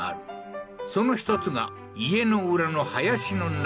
その一つが家の裏の林の中